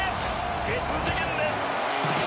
別次元です！